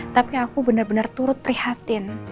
tapi aku benar benar turut prihatin